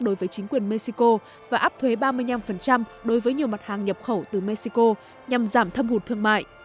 đối với chính quyền mexico và áp thuế ba mươi năm đối với nhiều mặt hàng nhập khẩu từ mexico nhằm giảm thâm hụt thương mại